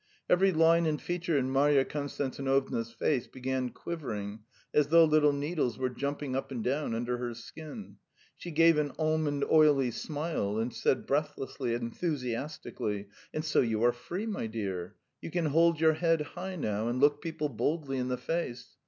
Every line and feature in Marya Konstantinovna's face began quivering as though little needles were jumping up and down under her skin; she gave an almond oily smile and said, breathlessly, enthusiastically: "And so you are free, my dear. You can hold your head high now, and look people boldly in the face.